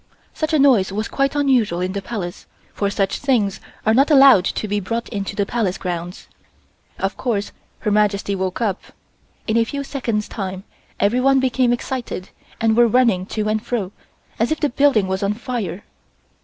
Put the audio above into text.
Such a noise was quite unusual in the Palace for such things are not allowed to be brought into the Palace grounds. Of course Her Majesty woke up. In a few seconds time everyone became excited and were running to and fro as if the building was on fire.